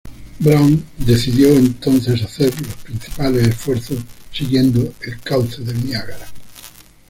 Brown decidió, entonces, hacer los principales esfuerzos siguiendo el cauce del Niágara.